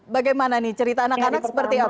bagaimana nih cerita anak anak seperti apa